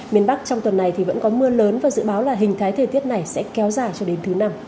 miền bắc trong tuần này thì vẫn có mưa lớn và dự báo là hình thái thời tiết này sẽ kéo dài cho đến thứ năm